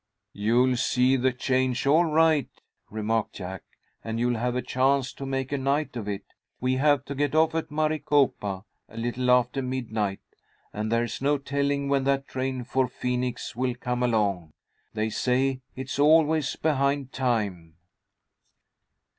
"You'll see the change all right," remarked Jack, "and you'll have a chance to make a night of it. We have to get off at Maricopa a little after midnight, and there's no telling when that train for Phoenix will come along. They say it's always behind time."